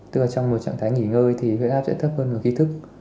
tức là trong một trạng thái nghỉ ngơi thì huyết áp sẽ thấp hơn một khi thức